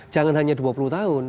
jangan hanya dua puluh tahun